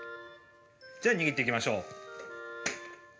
じゃあ握っていきましょう。